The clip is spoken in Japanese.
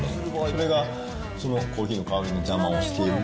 これがコーヒーの香りの邪魔をしている。